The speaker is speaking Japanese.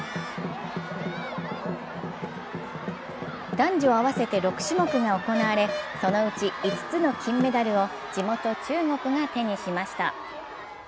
男女合わせて６種目が行われ、そのうち５つの金メダルを地元・中国が手にしました。